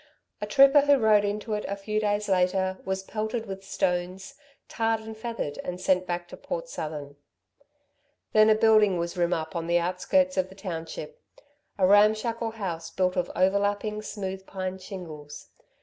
A trooper who rode into it a few days later was pelted with stones, tarred and feathered, and sent back to Port Southern. Then a building was rim up on the outskirts of the township a ramshackle house built of overlapping, smooth, pine shingles.